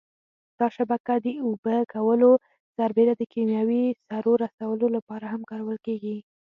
دا شبکه د اوبه کولو سربېره د کېمیاوي سرو رسولو لپاره هم کارول کېږي.